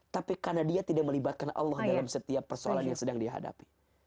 tapi karena dia tidak melibatkan allah dalam setiap persoalan yang sedang dihadapi